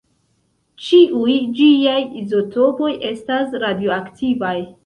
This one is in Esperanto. Ĉiuj ĝiaj izotopoj estas radioaktivaj.